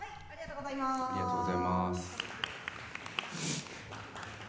ありがとうございます。